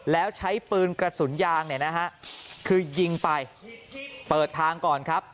แล้วใช้ปืนกระสุนยางเนี่ยนะฮะคือยิงไปเปิดทางก่อนครับ